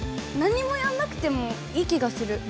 何にもやんなくてもいい気がする。